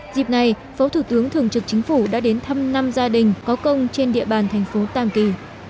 dịp này phó thủ tướng thường trực chính phủ đã đến thăm năm gia đình có công trên địa bàn thành phố tam kỳ